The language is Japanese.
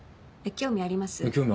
興味ありますよ。